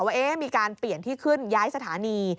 ว่ามีการเปลี่ยนที่ขึ้นย้ายสถานี